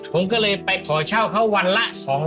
ผมก็เลยไปขอเช่าเขาวันละ๒๐๐